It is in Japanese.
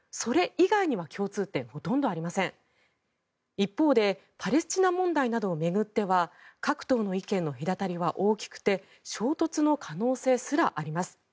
一方で、パレスチナ問題などを巡っては各党の意見の隔たりは大きくて衝突の可能性すらあります。